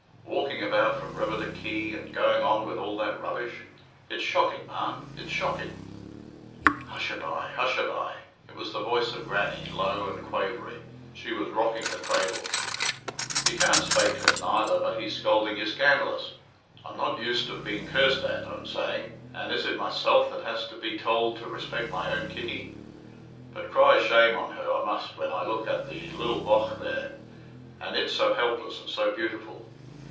Walking about from river to quay, and going on with all that rubbish it's shocking, ma'am, it's shocking!" "Hush a bye, hush a bye!" It was the voice of Grannie, low and quavery; she was rocking the cradle. "You can't spake to him neither but he's scolding you scandalous. 'I'm not used of being cursed at,' I'm saying, 'and is it myself that has to be tould to respect my own Kitty?' But cry shame on her I must when I look at the lil bogh there, and it so helpless and so beautiful.